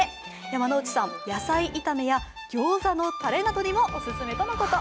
山内さん、野菜炒めやギョーザのたれなどにもオススメとのこと。